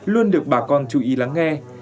luôn được bà con chú ý lắng nghe